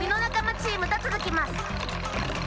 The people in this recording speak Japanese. チームとつづきます。